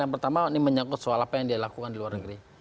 yang pertama ini menyangkut soal apa yang dia lakukan di luar negeri